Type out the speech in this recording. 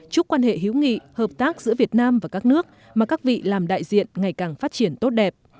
chúc quan hệ hữu nghị hợp tác giữa việt nam và các nước mà các vị làm đại diện ngày càng phát triển tốt đẹp